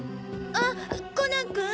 あっコナン君！？